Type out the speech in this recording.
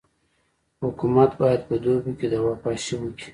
حکومت باید په دوبي کي دوا پاشي وکي.